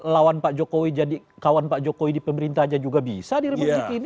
lawan pak jokowi jadi kawan pak jokowi di pemerintah aja juga bisa di republik ini